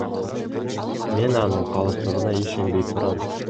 Мен анын калыстыгына ишенбей турам.